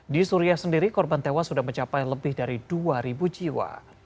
di suria sendiri korban tewas sudah mencapai lebih dari dua jiwa